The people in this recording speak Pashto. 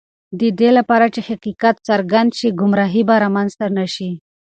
د دې لپاره چې حقیقت څرګند شي، ګمراهی به رامنځته نه شي.